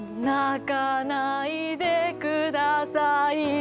「泣かないでください」